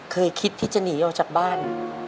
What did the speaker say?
เคยคิดที่จะหนีออกจากบ้าน